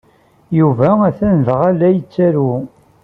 Yuba atan daɣ la yettru.